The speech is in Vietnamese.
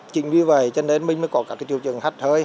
chính vì vậy cho nên mình mới có các triều trường hắt hơi